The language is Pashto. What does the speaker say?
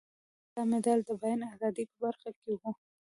دا مډال د بیان ازادۍ په برخه کې و.